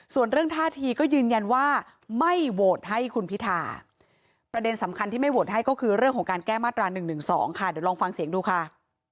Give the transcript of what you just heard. ส่วนเรื่องท่าทีก็ยืนยันว่าไม่โหวตให้คุณพิธาประเด็นสำคัญที่ไม่โหวตให้ก็คือเรื่องของการแก้มาตรา๑๑๒ค่ะเดี๋ยวลองฟังเสียงดูค่ะ